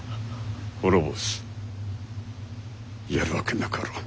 滅ぼす？やるわけなかろう。